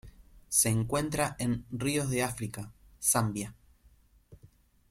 Se encuentran en ríos de África: Zambia.